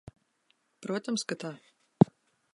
Protams, ka tā.